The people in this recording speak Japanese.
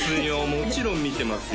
もちろん見てますよ